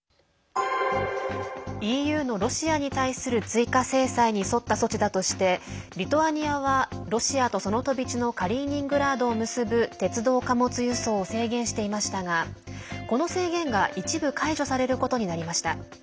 ＥＵのロシアに対する追加制裁に沿った措置だとしてリトアニアはロシアとその飛び地のカリーニングラードを結ぶ鉄道貨物輸送を制限していましたがこの制限が一部解除されることになりました。